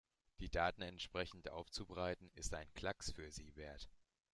Die Daten entsprechend aufzubereiten, ist ein Klacks für Siebert.